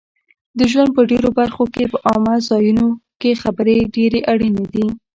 د ژوند په ډېرو برخو کې په عامه ځایونو کې خبرې ډېرې اړینې دي